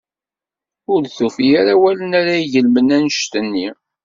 Ur d-tufi ara awalen ara d-igelmen anect-nni.